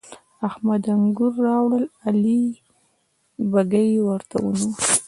احمد انګور راوړل؛ علي بږۍ ورته ونيو.